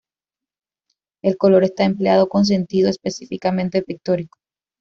El color está empleado con sentido específicamente pictórico.